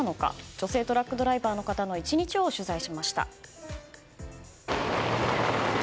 女性トラックドライバーの方の１日を取材しました。